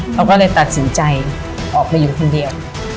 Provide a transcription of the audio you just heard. เขาก็เลยตัดสินใจออกไปอยู่คนเดียว